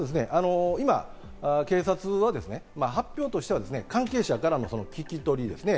今、警察の発表としては関係者からの聞き取りですね。